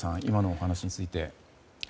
今のお話について。